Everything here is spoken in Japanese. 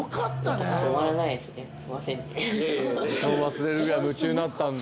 時間を忘れるぐらい夢中になったんだ。